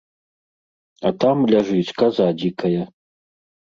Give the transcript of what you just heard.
А там ляжыць каза дзікая.